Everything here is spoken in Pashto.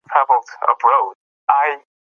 نازيې به هره ورځ غوښتل چې زه ورسره ملګرې شم.